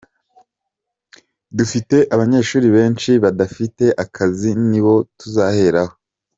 Dufite abanyeshuri benshi badafite akazi, ni bo tuzaheraho.